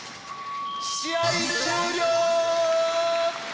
試合終了！